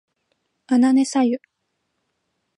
あなねさゆ